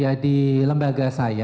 ya di lembaga saya